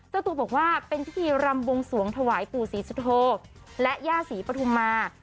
เจ้าตัวบอกว่าเป็นพิธีรำบวงสวงถวายปู่ศรีสุโธและย่าศรีปฐุมมา